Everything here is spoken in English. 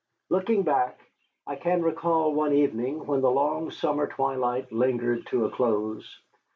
Looking back, I can recall one evening when the long summer twilight lingered to a close.